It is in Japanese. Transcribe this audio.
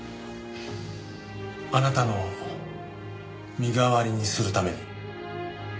あなたの身代わりにするために。